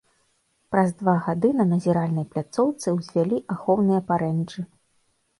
Праз два гады на назіральнай пляцоўцы ўзвялі ахоўныя парэнчы.